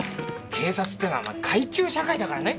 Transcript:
警察ってのは階級社会だからね。